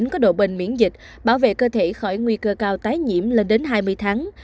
có độ bền miễn dịch bảo vệ cơ thể khỏi nguy cơ cao tái nhiễm lên đến hai mươi tháng